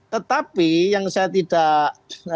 tetapi yang saya tidak